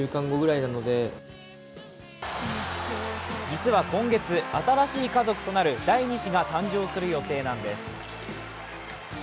実は今月、新しい家族となる第２子が誕生する予定なんです。